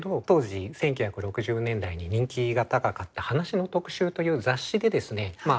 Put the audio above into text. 当時１９６０年代に人気が高かった「話の特集」という雑誌でですね